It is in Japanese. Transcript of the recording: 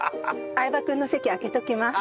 相葉君の席空けときます。